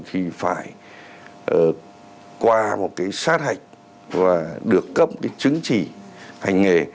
thì phải qua một cái sát hạch và được cấp cái chứng chỉ hành nghề